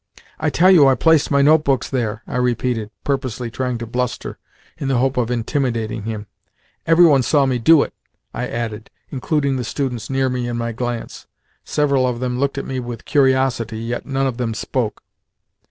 "I tell you I placed my notebooks there," I repeated, purposely trying to bluster, in the hope of intimidating him. "Every one saw me do it," I added, including the students near me in my glance. Several of them looked at me with curiosity, yet none of them spoke.